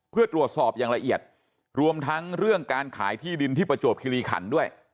เพื่อตรวจสอบอย่างละเอียดรวมทั้งเรื่องการขายที่ดินที่ประจวบคิริขันด้วย